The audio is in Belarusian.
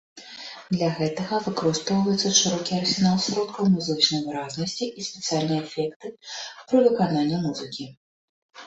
Для гэтага выкарыстоўваецца шырокі арсенал сродкаў музычнай выразнасці і спецыяльныя эфекты пры выкананні музыкі.